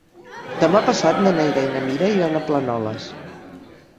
Demà passat na Neida i na Mira iran a Planoles.